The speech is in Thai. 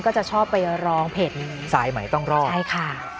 ก็จะชอบไปร้องเพจสายใหม่ต้องรอดใช่ค่ะ